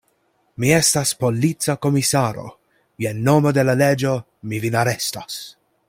Mi estas polica komisaro: je nomo de la leĝo mi vin arestas.